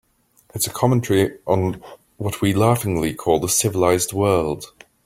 It's a commentary on what we laughingly call the civilized world.